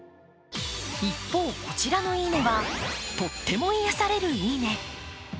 一方、こちらの「いいね」はとってもいやされる「いいね」。